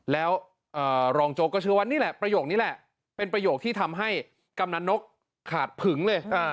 แล้วรองโจ๊กก็เชื่อว่านี่แหละประโยคนี้แหละเป็นประโยคที่ทำให้กำนันนกขาดผึงเลย